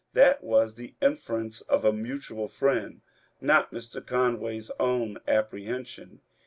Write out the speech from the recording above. That was the inference of a mutual friend, not Mr. Conway's own apprehension.